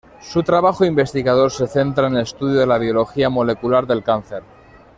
Su trabajo investigador se centra en el estudio de la biología molecular del cáncer.